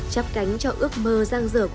chắp cánh cho ước mơ giang dở của các em